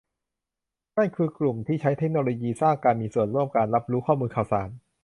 นั่นคือกลุ่มที่ใช้เทคโนโลยีสร้างการมีส่วนร่วม การรับรู้ข้อมูลข่าวสาร